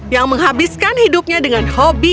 yang menghabiskan hidupnya dengan hobi